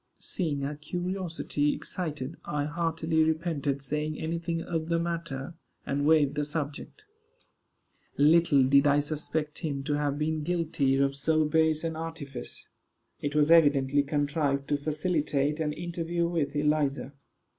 Seeing her curiosity excited, I heartily repented saying any thing of the matter, and waived the subject. Little did I suspect him to have been guilty of so base an artifice. It was evidently contrived to facilitate an interview with Eliza.